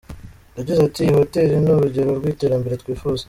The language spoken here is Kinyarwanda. Yagize ati "Iyi hoteli ni urugero rw’iterambere twifuza.